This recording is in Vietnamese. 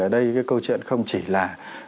ở đây cái câu chuyện không chỉ là